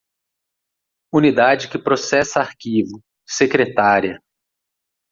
Unidade que processa arquivo: secretária.